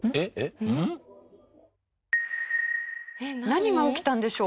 何が起きたんでしょう？